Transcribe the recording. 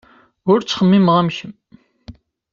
Ur ttxemmimeɣ am kemm.